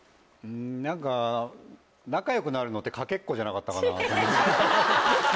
何か仲良くなるのってかけっこじゃなかったかなと思って。